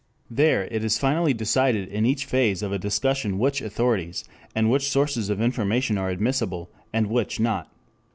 There it is finally decided in each phase of a discussion which authorities and which sources of information are admissible, and which not.